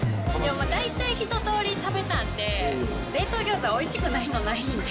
大体ひととおり食べたんで、冷凍餃子おいしくないのないんで。